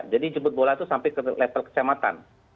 jadi jemput bola itu sampai ke level kesematan